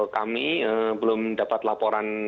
kami belum dapat laporan